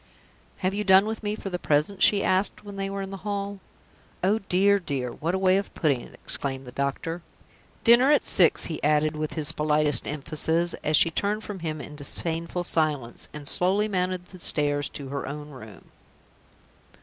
"Have you done with me for the present?" she asked, when they were in the hall. "Oh, dear, dear, what a way of putting it!" exclaimed the doctor. "Dinner at six," he added, with his politest emphasis, as she turned from him in disdainful silence, and slowly mounted the stairs to her own room.